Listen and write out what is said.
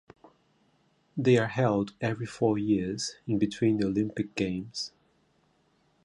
They are held every four years, in between the Olympic Games.